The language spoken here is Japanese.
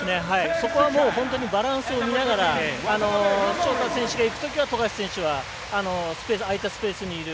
そこは、本当にバランスを見ながらショーター選手がいくときは富樫選手は空いたスペースにいる。